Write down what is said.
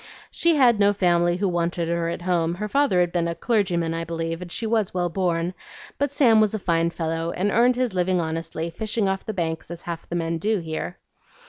She had no family who wanted her at home; her father had been a clergyman, I believe, and she was well born, but Sam was a fine fellow and earned his living honestly, fishing off the Banks, as half the men do here.